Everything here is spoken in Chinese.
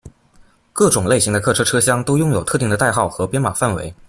各种类型的客车车厢都拥有特定的代号和编码范围。